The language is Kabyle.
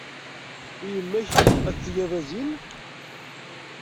I yemma-k ad d-tegg abazin.